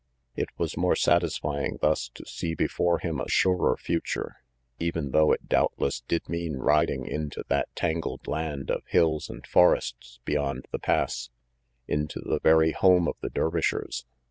It was more satisfying thus to see before him a surer future, even though it doubtless did mean riding into that tangled land of hills and forests beyond the Pass, into the very home of the Der vishers.